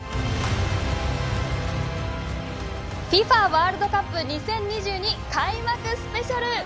「ＦＩＦＡワールドカップ２０２２開幕スペシャル」。